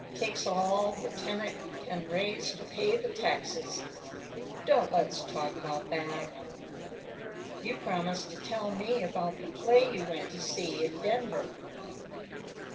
Takes all the tenant can raise to pay the taxes. Don't let's talk about that. You promised to tell me about the play you went to see in Denver."